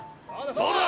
そうだ！